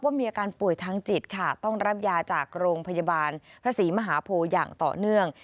มีอาการป่วยทางจิตค่ะต้องรับยาจากโรงพยาบาลพระศรีมหาโพอย่างต่อเนื่อง